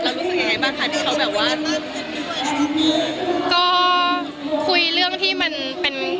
รู้สึกยังไงบ้างคะที่เขาแบบว่าก็คุยเรื่องที่มันเป็น